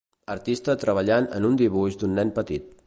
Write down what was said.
Artista treballant en un dibuix d'un nen petit.